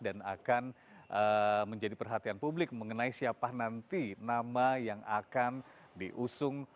dan akan menjadi perhatian publik mengenai siapa nanti nama yang akan diusung